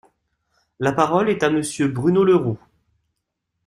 La parole est à Monsieur Bruno Le Roux.